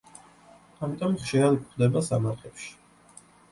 ამიტომ ხშირად გვხვდება სამარხებში.